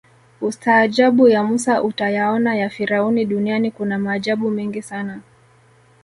ukistaajabu ya Musa utayaona ya Firauni duniani kuna maajabu mengi sana